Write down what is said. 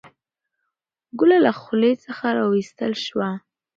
ګوله له خولې څخه راویستل شوه.